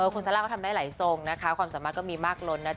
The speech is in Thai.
คุณซาร่าก็ทำได้หลายทุ่มความสามารถมีมากล้วน